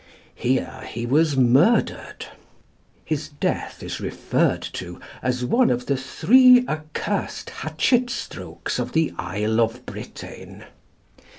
Here he was murdered; his death is referred to as one of the "three accursed hatchet strokes of the isle of Britain."